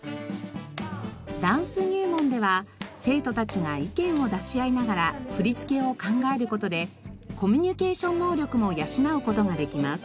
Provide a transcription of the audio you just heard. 「ダンス入門」では生徒たちが意見を出し合いながら振り付けを考える事でコミュニケーション能力も養う事ができます。